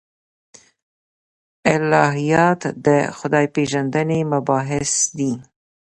الهیات د خدای پېژندنې مباحث دي.